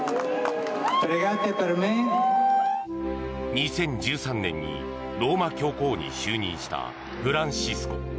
２０１３年にローマ教皇に就任したフランシスコ。